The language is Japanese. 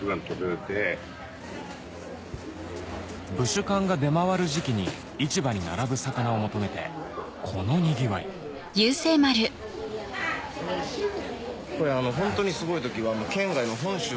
ブシュカンが出回る時期に市場に並ぶ魚を求めてこのにぎわいこれホントに。